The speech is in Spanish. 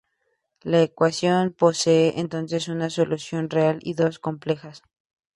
La ecuación posee entonces una solución real y dos complejas.